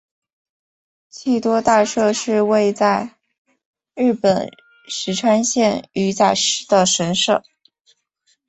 气多大社是位在日本石川县羽咋市的神社。